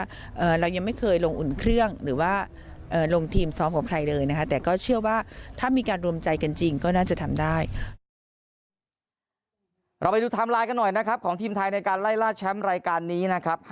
ว่าเรายังไม่เคยลงอุ่นเครื่องหรือว่าลงทีมซ้อมกับใครเลยนะครับ